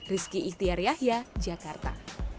rizky ikhtiar yahya jakarta